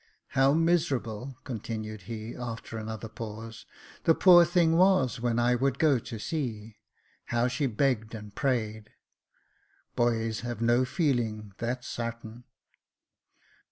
" How miserable," continued he, after another pause, " the poor thing was when I would go to sea — how she begged and prayed — boys have no feeling, that's sartin.